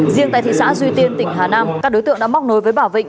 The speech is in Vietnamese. riêng tại thị xã duy tiên tỉnh hà nam các đối tượng đã móc nối với bà vịnh